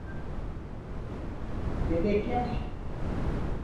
Bebekler.